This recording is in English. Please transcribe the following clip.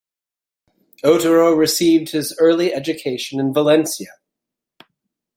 Otero received his early education in Valencia.